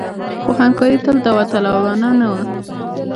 خو همکاري تل داوطلبانه نه وه.